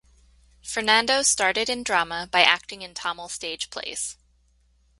Fernando started in drama by acting in Tamil stage plays.